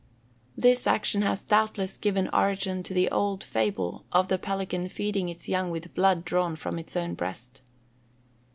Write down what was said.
This action has doubtless given origin to the old fable of the pelican feeding its young with blood drawn from its own breast.